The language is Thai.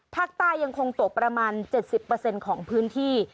ภาคใต้ยังคงตกประมาณ๗๐ของพื้นที่